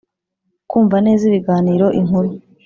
kumva neza ibiganiro, inkuru,